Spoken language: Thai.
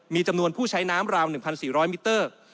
มีจำนวนผู้ใช้น้ำราว๑๔๐๐มิเตอร์